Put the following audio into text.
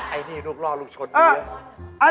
ไอ้นี่ลูกล่อลูกชนเยอะ